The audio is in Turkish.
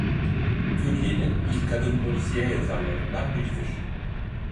Türkiye'nin ilk kadın polisiye yazarlarından biridir.